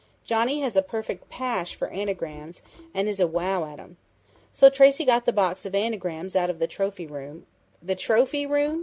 Johnny has a perfect pash for anagrams, and is a wow at 'em. So Tracey got the box of anagrams out of the trophy room " "The trophy room?"